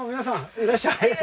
いらっしゃい。